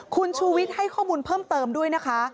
คุณชูวิทย์ให้ข้อมูลเพิ่มเติมด้วยนะคะ